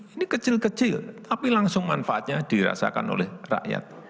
ini kecil kecil tapi langsung manfaatnya dirasakan oleh rakyat